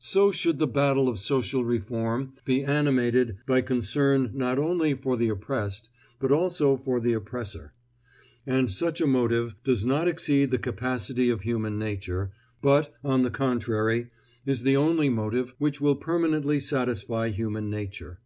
So should the battle of social reform be animated by concern not only for the oppressed, but also for the oppressor. And such a motive does not exceed the capacity of human nature, but, on the contrary, is the only motive which will permanently satisfy human nature.